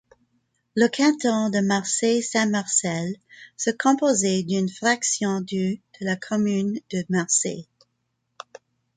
Le canton de Marseille-Saint-Marcel se composait d’une fraction du de la commune de Marseille.